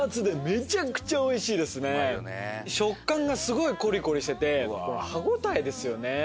食感がすごいコリコリしててこの歯応えですよね。